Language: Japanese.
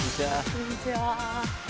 こんにちは。